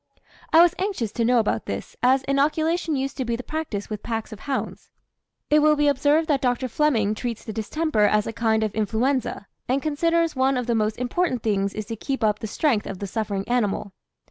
I was anxious to know about this, as inoculation used to be the practice with packs of hounds. It will be observed that Dr. Fleming treats the distemper as a kind of influenza, and considers one of the most important things is to keep up the strength of the suffering animal.